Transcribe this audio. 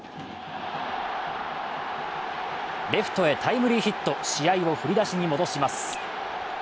レフトへタイムリーヒット、試合を振り出しに戻します。